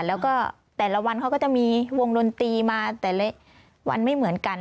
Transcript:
แล้วก็แต่ละวันเขาก็จะมีวงดนตรีมาแต่ละวันไม่เหมือนกัน